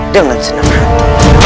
dengan senang hati